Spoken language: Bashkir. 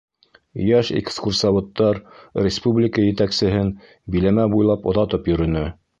Йәш экскурсоводтар республика етәксеһен биләмә буйлап оҙатып йөрөнө.